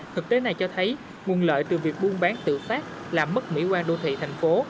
thực tế này cho thấy nguồn lợi từ việc buôn bán tự phát làm mất mỹ quan đô thị thành phố